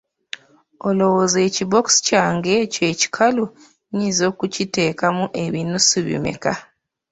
Olowooza ekibookisi kyange ekyo ekikalu nnyinza kukiteekamu ebinusu bimeka?